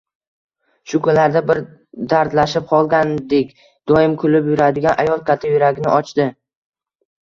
Shu kunlarda bir dardlashib qolgandik, doim kulib yuradigan ayol katta yuragini ochdi